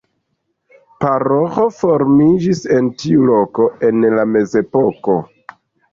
Paroĥo formiĝis en tiu loko en la mezepoko.